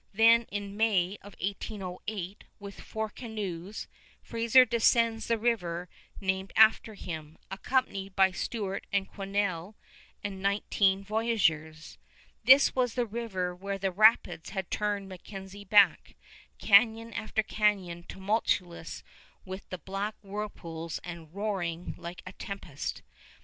Then, in May of 1808, with four canoes Fraser descends the river named after him, accompanied by Stuart and Quesnel and nineteen voyageurs. This was the river where the rapids had turned MacKenzie back, canyon after canyon tumultuous with the black whirlpools and roaring like a tempest.